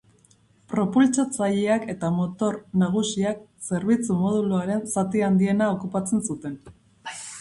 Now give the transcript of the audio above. Propultsatzaileak eta motor nagusiak zerbitzu-moduluaren zati handiena okupatzen zuten.